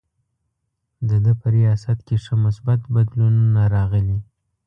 د ده په ریاست کې ښه مثبت بدلونونه راغلي.